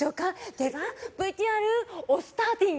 ではＶＴＲ、おスターティン！